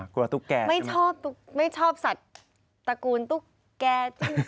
กลัวตุ๊กแก่ใช่มั้ยไม่ชอบสัตว์ตระกูลตุ๊กแก่